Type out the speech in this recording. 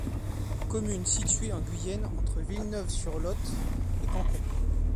Commune située en Guyenne entre Villeneuve-sur-Lot et Cancon.